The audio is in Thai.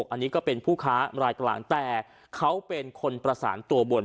อันนี้ก็เป็นผู้ค้ารายกลางแต่เขาเป็นคนประสานตัวบน